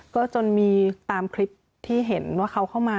ก็จนมีตามคลิปที่เห็นว่าเขาเข้ามา